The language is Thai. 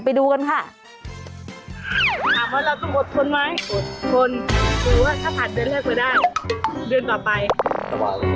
ไปดูกันค่ะ